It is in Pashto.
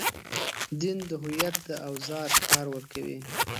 دین د هویت د اوزار کار ورکوي.